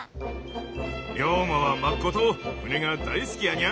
龍馬はまっこと船が大好きやにゃ。